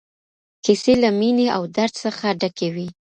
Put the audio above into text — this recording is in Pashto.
کيسې له مينې او درد څخه ډکې وې.